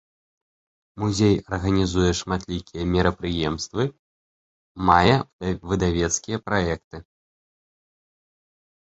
Музей арганізуе шматлікія мерапрыемствы, мае выдавецкія праекты.